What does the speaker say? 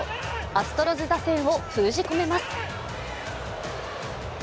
アストロズ打線を封じ込めます。